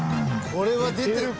［これは出てる］